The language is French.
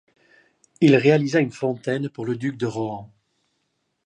Il réalisa une fontaine pour le duc de Rohan.